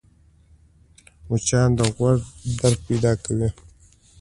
مچان د غوږ درد پیدا کوي